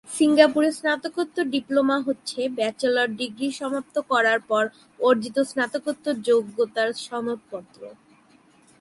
সিঙ্গাপুরে স্নাতকোত্তর ডিপ্লোমা হচ্ছে ব্যাচেলর ডিগ্রি সমাপ্ত করার পর অর্জিত স্নাতকোত্তর যোগ্যতার সনদপত্র।